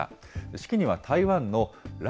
式には台湾の頼